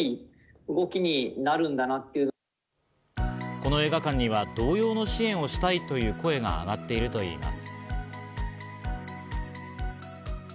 この映画館には同様の支援をしたいとの声があがっているといいます。